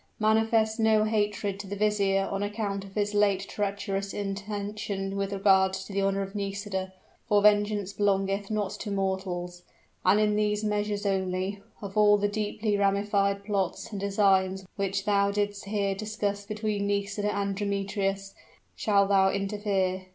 Manifest no hatred to the vizier on account of his late treacherous intention with regard to the honor of Nisida: for vengeance belongeth not to mortals. And in these measures only, of all the deeply ramified plots and designs which thou didst hear discussed between Nisida and Demetrius, shall thou interfere.